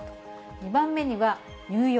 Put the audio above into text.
２番目には入浴。